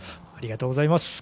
ありがとうございます。